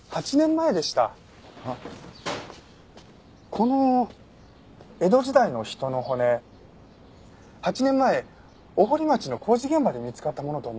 この江戸時代の人の骨８年前尾堀町の工事現場で見つかったものと思われます。